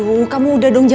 aku mau nyuruh tych